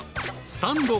スタンド。